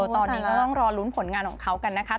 ตอนนี้ก็ต้องรอลุ้นผลงานของเขากันนะคะ